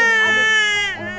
yuk yuk kita jalan ya